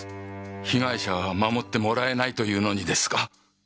被害者は守ってもらえないというのにですか？